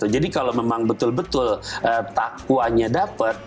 jadi kalau memang betul betul takwanya dapat